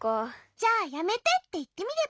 じゃあやめてっていってみれば？